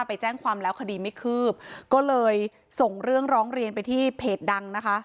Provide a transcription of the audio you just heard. ไปแจ้งความแล้วคดีไม่คืบก็เลยส่งเรื่องร้องเรียนไปที่เพจดังนะคะ